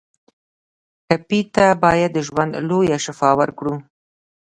ټپي ته باید د ژوند لویه شفا ورکړو.